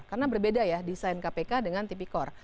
karena berbeda ya desain kpk dengan tipikor